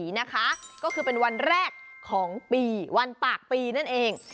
นะคะก็คือเป็นวันแรกของปีวันปากปีนั่นเอง